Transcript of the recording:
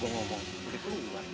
ngomong boleh keluar